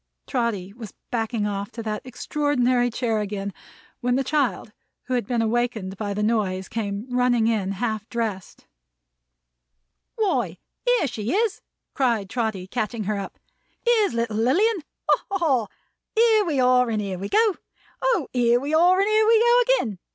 Trotty was backing off to that extraordinary chair again, when the child, who had been awakened by the noise, came running in, half dressed. "Why, here she is!" cried Trotty catching her up. "Here's little Lilian! Ha, ha, ha! Here we are and here we go! O, here we are and here we go again!